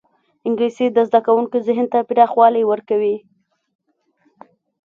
انګلیسي د زدهکوونکو ذهن ته پراخوالی ورکوي